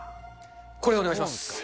これでお願いします。